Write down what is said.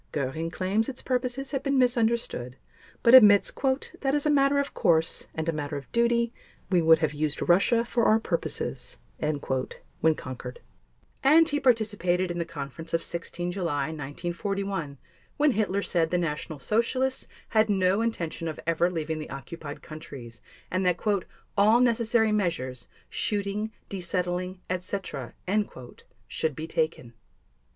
Göring claims its purposes have been misunderstood but admits "that as a matter of course and a matter of duty we would have used Russia for our purposes," when conquered. And he participated in the conference of 16 July 1941 when Hitler said the National Socialists had no intention of ever leaving the occupied countries, and that "all necessary measures—shooting, desettling, etc." should be taken.